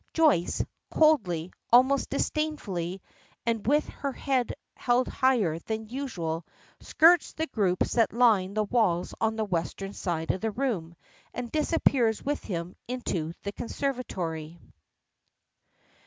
Joyce, coldly, almost disdainfully and with her head held higher than usual, skirts the groups that line the walls on the western side of the room and disappears with him into the conservatory.